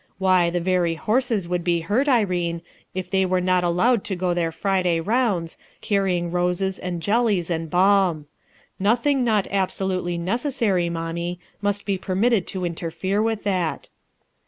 Why, the very horses would be hurt, Irene, if they were not allowed to go their Friday rounds. "FLANS FOR A PURPOSE Ho carrying roses, and jellies, and balm. Nothing not absolutely necessary, mommie, must be per mitted to interfere with that."